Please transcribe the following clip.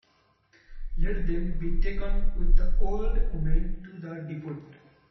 Let them be taken with the old woman to the depot.